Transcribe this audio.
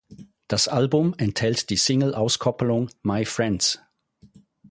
Das Album enthält die Single-Auskopplung "My Friends".